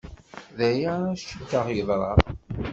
D aya ay cikkeɣ yeḍra.